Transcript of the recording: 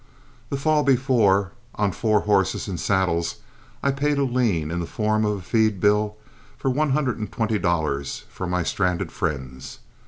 The fall before, on four horses and saddles, I paid a lien, in the form of a feed bill, of one hundred and twenty dollars for my stranded friends.